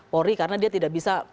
polri karena dia tidak bisa